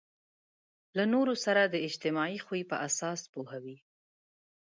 له نورو سره د اجتماعي خوی په اساس پوهوي.